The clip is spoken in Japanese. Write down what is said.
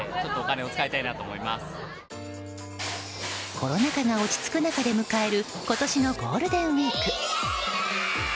コロナ禍が落ち着く中で迎える今年のゴールデンウィーク。